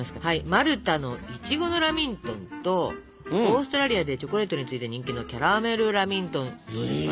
マルタのいちごのラミントンとオーストラリアでチョコレートに次いで人気のキャラメルラミントンはどうですか？